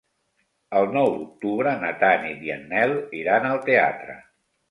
El nou d'octubre na Tanit i en Nel iran al teatre.